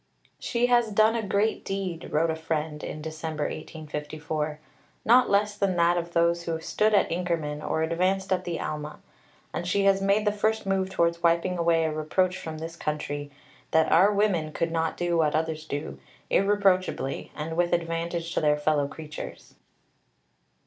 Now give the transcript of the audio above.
"She has done a great deed," wrote a friend in December 1854, "not less than that of those who stood at Inkerman or advanced at the Alma; and she has made the first move towards wiping away a reproach from this country that our women could not do what others do, irreproachably, and with advantage to their fellow creatures."